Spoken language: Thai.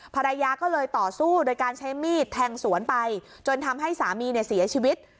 ภรรยาก็เลยต่อสู้โดยการใช้มีดแทงสวนไปจนทำให้สามีเนี่ยเสียชีวิต